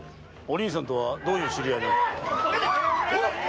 お凛さんとどういう知り合いなのだ？